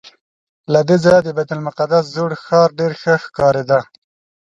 له دې ځایه د بیت المقدس زوړ ښار ډېر ښه ښکارېده.